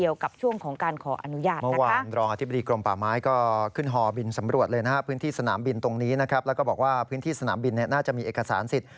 ว่าพื้นที่สนามบินน่าจะมีเอกสารสิทธิ์